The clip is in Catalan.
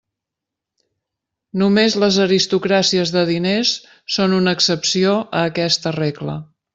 Només les aristocràcies de diners són una excepció a aquesta regla.